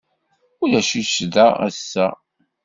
Ulac-itt da ass-a.